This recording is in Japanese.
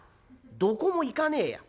「どこも行かねえや。